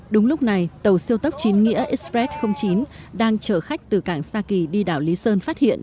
đúng lúc này tàu siêu tốc chín nghĩa express chín đang chở khách từ cảng sa kỳ đi đảo lý sơn phát hiện